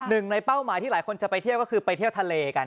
หนึ่งในเป้าหมายที่หลายคนจะไปเที่ยวก็คือไปเที่ยวทะเลกัน